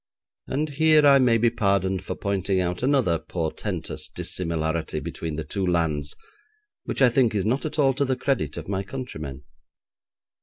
And here I may be pardoned for pointing out another portentous dissimilarity between the two lands which I think is not at all to the credit of my countrymen.